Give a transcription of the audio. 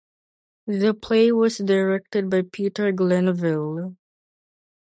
The play was directed by Peter Glenville.